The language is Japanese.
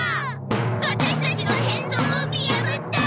ワタシたちの変装を見やぶった！